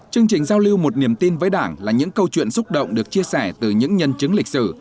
chương trình giao lưu một niềm tin với đảng là những câu chuyện xúc động được chia sẻ từ những nhân chứng lịch sử